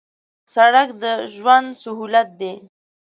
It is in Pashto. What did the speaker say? سړک د ژوند سهولت دی